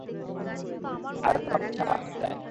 আজ ধরা পড়েছে আমার খাঁচায়।